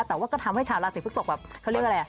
แต่ว่าก็ทำให้ชาวราศีภึกษกแบบ